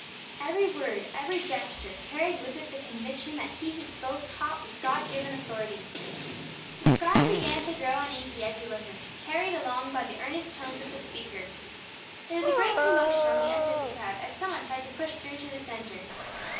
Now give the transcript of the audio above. Every word, every gesture, carried with it the conviction that He who spoke taught with God given authority. The scribe began to grow uneasy as he listened, carried along by the earnest tones of the speaker. There was a great commotion on the edge of the crowd, as some one tried to push through to the centre.